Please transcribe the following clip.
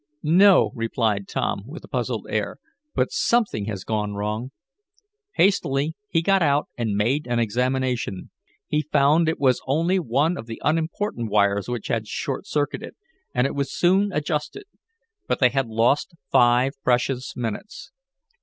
"No," replied Tom, with a puzzled air. "But something has gone wrong." Hastily he got out, and made an examination. He found it was only one of the unimportant wires which had short circuited, and it was soon adjusted. But they had lost five precious minutes.